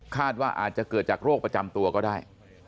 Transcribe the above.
ว่าอาจจะเกิดจากโรคประจำตัวก็ได้